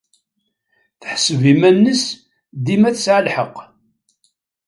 Teḥseb iman-nnes dima tesɛa lḥeqq.